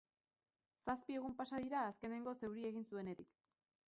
Zazpi egun pasa dira azkenengoz euria egin zuenetik